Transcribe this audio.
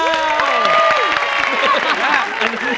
อันนี้ต้องหยุดออก